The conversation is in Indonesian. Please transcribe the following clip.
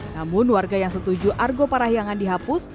namun warga yang setuju argo parahyangan dihapus